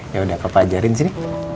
ya udah papa ajarin sini